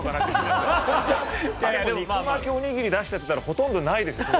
肉巻きおにぎり出しちゃってたらほとんどないですね。